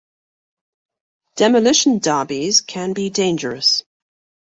Demolition derbies can be dangerous.